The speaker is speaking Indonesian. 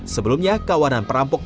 sebelumnya kawanan perampokan